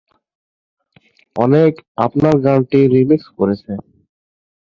অনেক র্যাপার গানটি রিমিক্স করেছে।